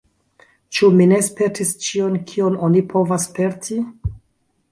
Ĉu mi ne spertis ĉion, kion oni povas sperti?